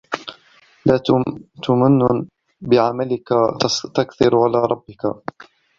لَا تَمْنُنْ بِعَمَلِك تَسْتَكْثِرْ عَلَى رَبِّك